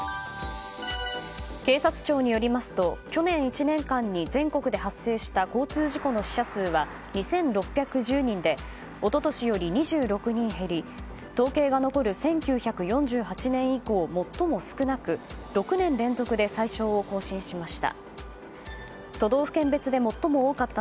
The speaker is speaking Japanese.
警察庁によりますと去年１年間に全国で発生した交通事故の死者数は２６１０人で一昨年より２６人減り統計が残る１９４８年以降最も少なく６年連続で最少を更新しました。